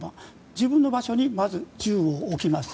自分の場所にまず銃を置きます。